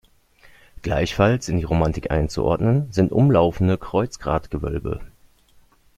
Gleichfalls in die Romanik einzuordnen sind umlaufende Kreuzgratgewölbe.